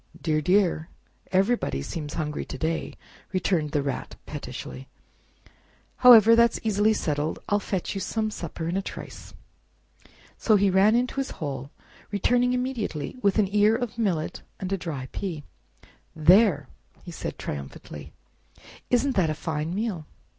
"Dear, dear! everybody seems hungry to day!" returned the Rat pettishly; "however, that's easily settled—I'll fetch you Some supper in a trice." So he ran into his hole, returning immediately with an ear of millet and a dry pea. "There!" said he, triumphantly, "isn't that a fine meal?"